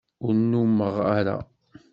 Ur numeɣ ara.